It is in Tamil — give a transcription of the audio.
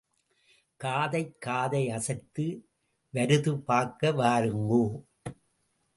காதைக் காதை அசைத்து வருது பார்க்க வாருங்கோ.